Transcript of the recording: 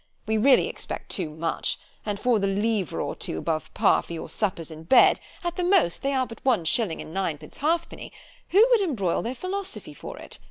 —We really expect too much—and for the livre or two above par for your suppers and bed—at the most they are but one shilling and ninepence halfpenny——who would embroil their philosophy for it?